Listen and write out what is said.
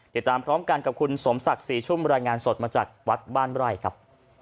ติดตามพร้อมกันกับคุณสมศักดิ์ศรีชุ่มรายงานสดมาจากวัดบ้านไร่ครับ